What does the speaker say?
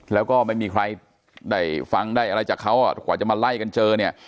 แล้วก็ไม่มีใครได้ฟังได้อะไรจากเขากว่าจะมาไล่กันเจอเนี่ย